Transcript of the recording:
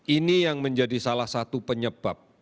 ini yang menjadi salah satu penyebab